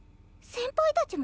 先輩たちも？